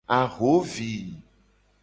Ahovi.